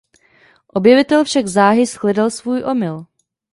Objevitel však záhy shledal svůj omyl.